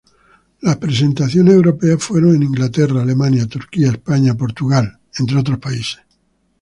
Las presentaciones europeas fueron en Inglaterra, Alemania, Turquía, España, Portugal entre otros países.